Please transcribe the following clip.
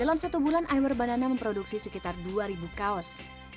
dalam satu bulan iwerbanana memproduksi sekitar dua ribu kaos